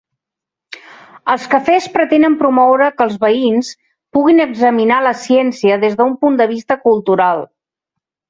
Els Cafès pretenen promoure que els veïns puguin examinar la ciència des d'un punt de vista cultural.